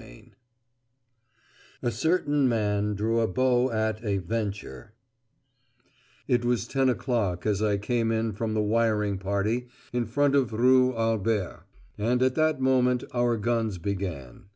CHAPTER XV "A CERTAIN MAN DREW A BOW AT A VENTURE" It was ten o'clock as I came in from the wiring party in front of Rue Albert, and at that moment our guns began.